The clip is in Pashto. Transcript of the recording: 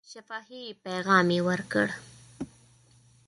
شفاهي پیغام یې ورکړ.